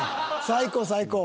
最高最高。